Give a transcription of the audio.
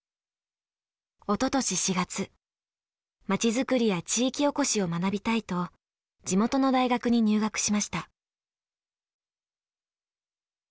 おととし４月まちづくりや地域おこしを学びたいと地元の大学に入学しました。